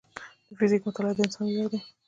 د فزیک مطالعه د انسان ویاړ دی.